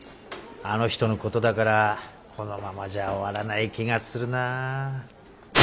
あの人のことだからこのままじゃ終わらない気がするな。